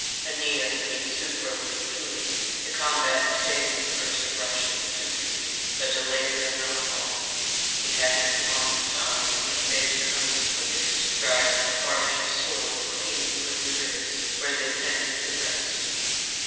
Aeneas [505 540]meets Sucro the Rutulian; the combat stayed the first rush of the Teucrians, but delayed them not long; he catches him on the side, and, when fate comes quickest, drives the harsh sword clean through the ribs where they fence the breast.